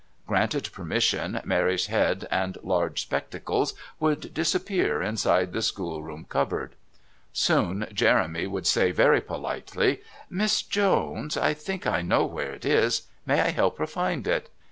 Granted permission, Mary's head and large spectacles would disappear inside the schoolroom cupboard. Soon Jeremy would say very politely: "Miss Jones, I think I know where it is. May I help her to find it?"